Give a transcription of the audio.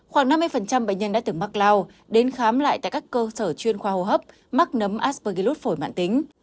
khoảng năm mươi bệnh nhân đã từng mắc lao đến khám lại tại các cơ sở chuyên khoa hô hấp mắc nấm asvergillut phổi mạng tính